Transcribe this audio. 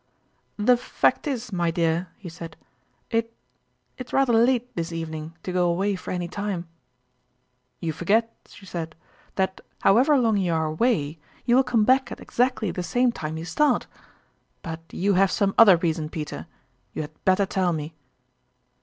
" The fact is, my dear," he said, " it it's rather late this evening to go away for any time !"" You forget," she said, " that, however long you are away, you will come back at exactly the same time you start. But you have some other reason, Peter you had better tell me